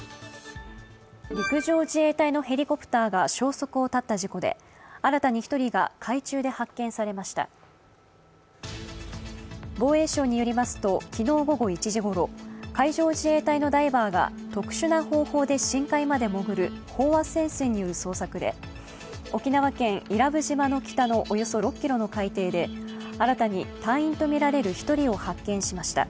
陸上自衛隊のヘリコプターが消息を絶った事故で新たに１人が海中で発見されました防衛省によりますと昨日午後１時ごろ海上自衛隊のダイバーが特殊な方法で深海まで潜る飽和潜水による捜索で沖縄県伊良部島の北のおよそ６ｋｍの海底で新たに隊員とみられる１人を発見しました。